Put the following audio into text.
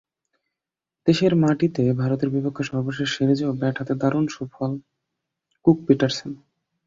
দেশের মাটিতে ভারতের বিপক্ষে সর্বশেষ সিরিজেও ব্যাট হাতে দারুণ সফল কুক-পিটারসেন।